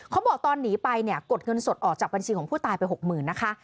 เขาบอกตอนหนีไปเนี่ยกดเงินสดออกจากบัญชีของผู้ตายไป๖๐๐๐นะคะ